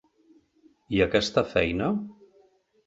I aquesta feina?